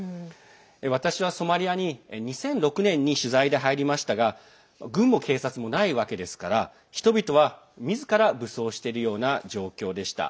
私はソマリアに２００６年に取材で入りましたが軍も警察もないわけですから人々は、みずから武装しているような状態でした。